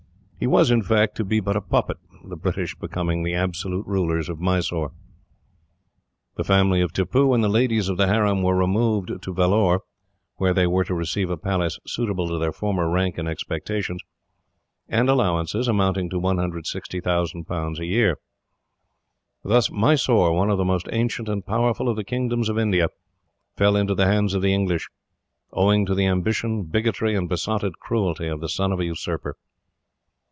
He was, in fact, to be but a puppet, the British becoming the absolute rulers of Mysore. The family of Tippoo, and the ladies of the harem, were removed to Vellore, where they were to receive a palace suitable to their former rank and expectations, and allowances amounting to 160,000 pounds a year. Thus Mysore, one of the most ancient and powerful of the kingdoms of India, fell into the hands of the English, owing to the ambition, bigotry, and besotted cruelty of the son of a usurper.